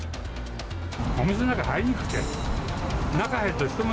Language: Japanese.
お店の中、入りにくくて。